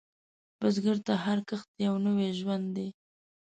بزګر ته هر کښت یو نوی ژوند دی